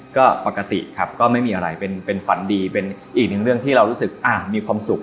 ก็ปกติครับก็ไม่มีอะไรเป็นฝันดีเป็นอีกหนึ่งเรื่องที่เรารู้สึกมีความสุข